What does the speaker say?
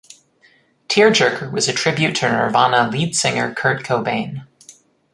"Tearjerker" was a tribute to Nirvana lead singer Kurt Cobain.